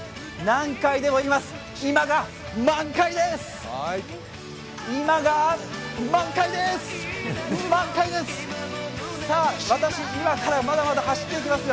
何回でも言います。